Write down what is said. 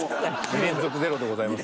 ２連続ゼロでございます。